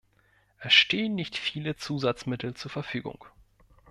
Es stehen nicht viele Zusatzmittel zur Verfügung.